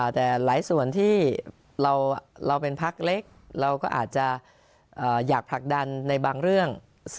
แต่หลายส่วนที่เราเป็นพักเล็กเราก็อาจจะอยากผลักดันในบางเรื่อง